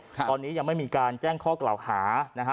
ตอนนี้ยังไม่มีการแจ้งข้อกล่าวหานะฮะ